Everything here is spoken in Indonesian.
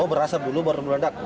oh berasa dulu baru meledak